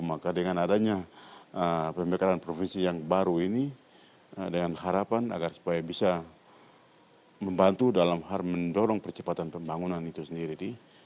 maka dengan adanya pemerintahan provinsi yang baru ini dengan harapan agar supaya bisa membantu dalam hal mendorong percepatan pembangunan itu sendiri